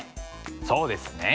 そうですね。